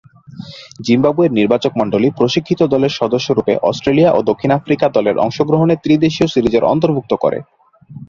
জিম্বাবুয়ের নির্বাচকমণ্ডলী প্রশিক্ষিত দলের সদস্যরূপে অস্ট্রেলিয়া এ ও দক্ষিণ আফ্রিকা দলের অংশগ্রহণে ত্রি-দেশীয় সিরিজে অন্তর্ভুক্ত করে।